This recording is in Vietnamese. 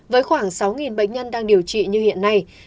với khoảng sáu bệnh nhân đang điều trị như hiện nay